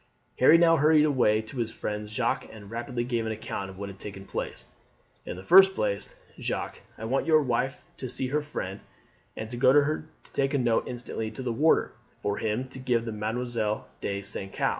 Harry now hurried away to his friend Jacques, and rapidly gave an account of what had taken place. "In the first place, Jacques, I want your wife to see her friend and to get her to take a note instantly to the warder, for him to give to Mademoiselle de St. Caux.